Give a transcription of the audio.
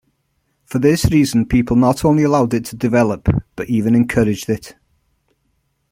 For this reason, people not only allowed it to develop, but even encouraged it.